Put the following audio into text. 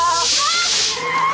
aduh mau kalah